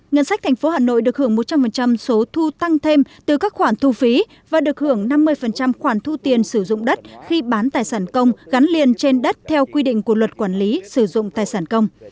ngân sách thành phố hà nội được hưởng một trăm linh số thu tăng thêm từ các khoản thu phí và được hưởng năm mươi khoản thu tiền sử dụng đất khi bán tài sản công gắn liền trên đất theo quy định của luật quản lý sử dụng tài sản công